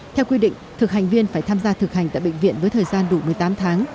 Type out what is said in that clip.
theo quy định thực hành viên phải tham gia thực hành tại bệnh viện với thời gian đủ một mươi tám tháng